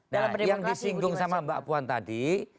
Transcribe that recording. nah yang disinggung sama mbak puan tadi